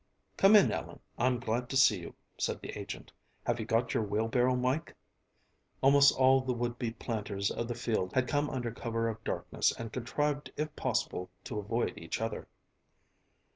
"Come in, Ellen; I'm glad to see you," said the agent. "Have you got your wheel barrow, Mike?" Almost all the would be planters of the field had come under cover of darkness and contrived if possible to avoid each other.